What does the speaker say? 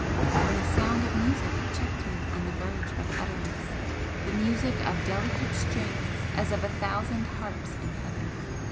when a sound of music checked me on the verge of utterance the music of delicate strings as of a thousand harps in heaven.